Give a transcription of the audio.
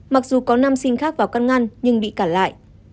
mặc dù có năm sinh khác vào căn ngăn nhưng bị cản lại